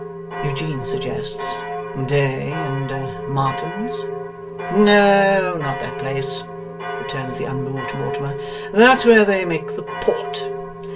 Eugene suggests 'Day and Martin's.' 'No, not that place,' returns the unmoved Mortimer, 'that's where they make the Port.